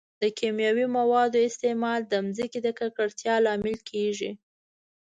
د کیمیاوي موادو استعمال د ځمکې د ککړتیا لامل کیږي.